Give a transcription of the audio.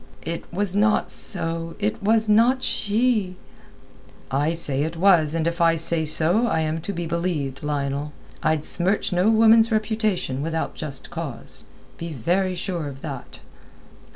"It was not so; it was not she...." "I say it was, and if I say so I am to be believed, Lionel. I'd smirch no woman's reputation without just cause. Be very sure of that."